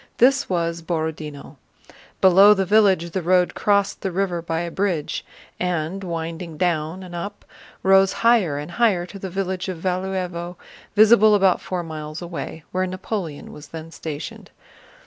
This was Borodinó. Below the village the road crossed the river by a bridge and, winding down and up, rose higher and higher to the village of Valúevo visible about four miles away, where Napoleon was then stationed.